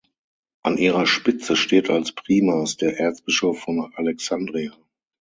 An ihrer Spitze steht als Primas der Erzbischof von Alexandria.